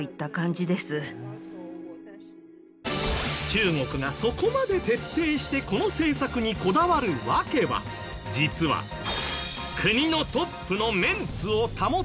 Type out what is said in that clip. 中国がそこまで徹底してこの政策にこだわる訳は実は国の。